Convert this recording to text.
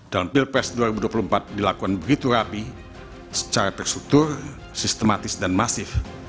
dalam pilpres dua ribu dua puluh empat dilakukan begitu rapi secara terstruktur sistematis dan masif